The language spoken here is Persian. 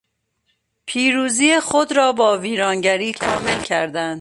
پیروزی خود را با ویرانگری کامل کردند.